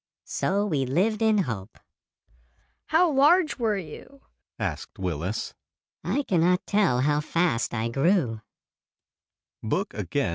So we lived in hope." "How large were you?" asked Willis. "I can not tell how fast I grew."